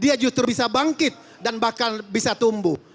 dia justru bisa bangkit dan bahkan bisa tumbuh